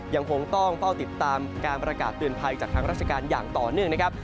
ยังคงต้องเฝ้าติดตามการประกาศเตือนภัยจากทางราชการอย่างต่อเนื่องนะครับ